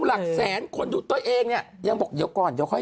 หลักแสนคนดูตัวเองเนี่ยยังบอกเดี๋ยวก่อนเดี๋ยวค่อย